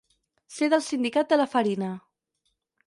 Ser del sindicat de la farina.